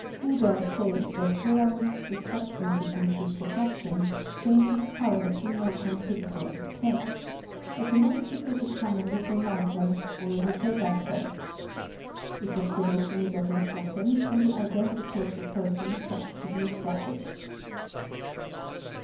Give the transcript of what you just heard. Guder™® states that hair mixed with substances in putrefaction, changes colour to no considerable extent; at the most it will become a little lighter or a little darker. This observation is of importance when the identity of a person is sought to be established.